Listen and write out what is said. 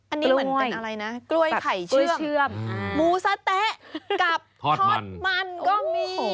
อันนี้เหมือนเป็นอะไรนะกล้วยไข่เชื่อมหมูสะเต๊ะกับทอดมันก็มี